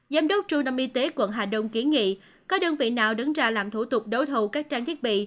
giám đốc trung tâm y tế quận hà đông kiến nghị có đơn vị nào đứng ra làm thủ tục đấu thầu các trang thiết bị